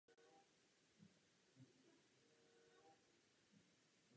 Liberalizace umožňuje některým spotřebitelům nakoupit toto zboží levněji.